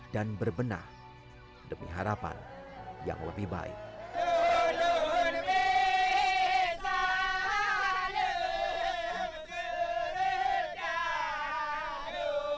dan berbenah demi harapan yang lebih baik